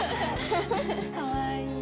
かわいい。